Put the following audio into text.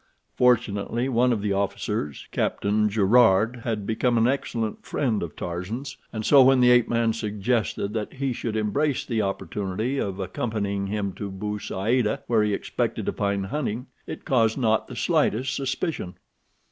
Fortunately one of the officers, Captain Gerard, had become an excellent friend of Tarzan's, and so when the ape man suggested that he should embrace the opportunity of accompanying him to Bou Saada, where he expected to find hunting, it caused not the slightest suspicion.